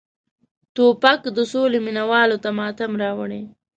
توپک د سولې مینه والو ته ماتم راوړي.